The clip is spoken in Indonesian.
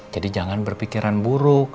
jadi jangan berpikiran buruk